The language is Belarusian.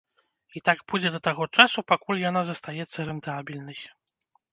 І так будзе да таго часу, пакуль яна застаецца рэнтабельнай.